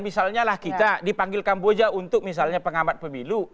misalnya lah kita dipanggil kamboja untuk misalnya pengamat pemilu